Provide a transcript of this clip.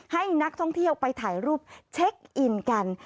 ให้นักท่องเที่ยวไปถ่ายรูปเช็คอินกัน